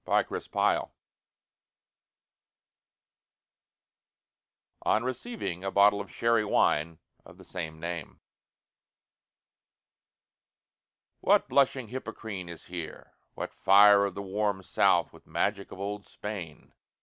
DON QUIXOTE On receiving a bottle of Sherry Wine of the same name What "blushing Hippocrene" is here! what fire Of the "warm South" with magic of old Spain!